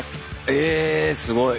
えすごい！